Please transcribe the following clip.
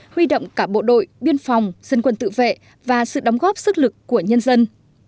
huy động cả bộ đội biên phòng dân quân tự vệ và sự đóng góp sức lực của nhân dân